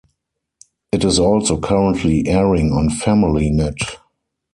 It is also currently airing on Family Net.